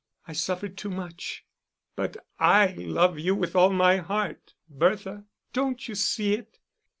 I suffered too much." "But I love you with all my heart, Bertha; don't you see it?